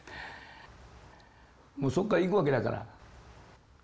もうそこから行くわけだから。